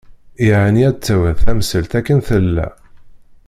Yeεni ad d-tawiḍ tamsalt akken tella.